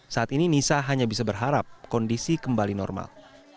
saat ini nisa hanya bisa berharap kondisi kembali normal